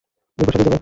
এই পোশাকেই যাবে?